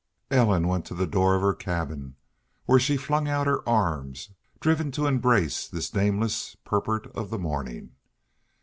Ellen went to the door of her cabin, where she flung out her arms, driven to embrace this nameless purport of the morning.